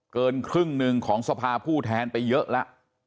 เกินครึ่งหนึ่งของสภาผู้แทนไปเยอะแล้ว